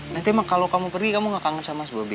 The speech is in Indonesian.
nanti kalau kamu pergi kamu gak kangen sama s bobby